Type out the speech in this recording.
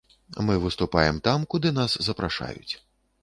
Мы выступаем там, куды нас запрашаюць.